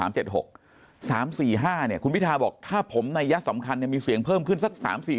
คุณพิทาบอกถ้าผมนัยยะสำคัญมีเสียงเพิ่มขึ้นสัก๓๔